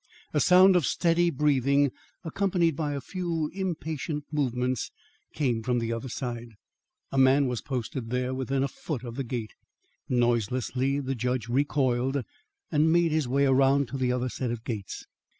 A sound of steady breathing, accompanied by a few impatient movements, came from the other side. A man was posted there within a foot of the gate. Noiselessly the judge recoiled, and made his way around to the other set of gates.